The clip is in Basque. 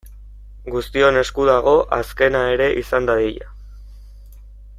Guztion esku dago azkena ere izan dadila.